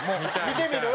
見てみる？